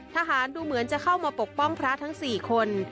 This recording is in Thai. ทหารดูเหมือนจะเข้ามาปกป้องพระทั้ง๔คน